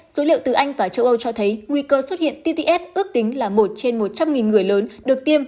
số liệu từ anh và châu âu cho thấy nguy cơ xuất hiện tts ước tính là một trên một trăm linh người lớn được tiêm